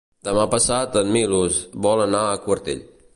Demà passat en Milos vol anar a Quartell.